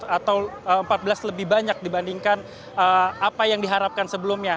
atau empat belas lebih banyak dibandingkan apa yang diharapkan sebelumnya